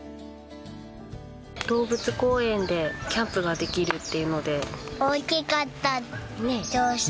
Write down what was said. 動物公園でキャンプができるというので。